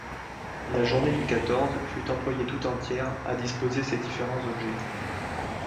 La journée du quatorze fut employée tout entière à disposer ces différents objets.